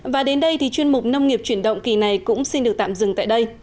và đến đây thì chuyên mục nông nghiệp chuyển động kỳ này cũng xin được tạm dừng tại đây